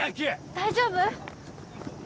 大丈夫？